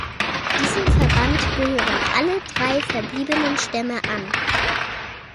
Diesem Verband gehören alle drei verbliebenen Stämme an.